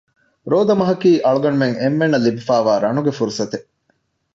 ރޯދަމަހަކީ އަޅުގަނޑުމެން އެންމެންނަށް ލިބިފައިވާ ރަނުގެ ފުރުޞަތެއް